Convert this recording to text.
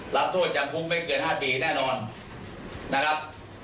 รับโทษยังคุ้มไม่เกือบ๕ปีแน่นอนนะครับ